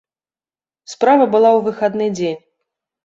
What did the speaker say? Справа была ў выхадны дзень.